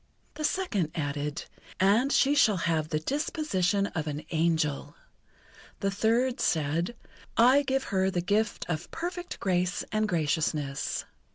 The second added: "And she shall have the disposition of an angel." The third said: "I give her the gift of perfect grace and graciousness."